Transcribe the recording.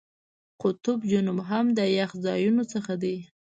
قطب جنوب هم د یخ ځایونو څخه دی.